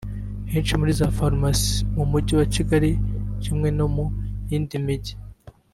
Henshi muri za farumasi mu Mujyi wa Kigali kimwe no mu yindi mijyi